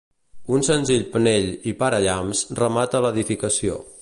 Un senzill penell i parallamps remata l'edificació.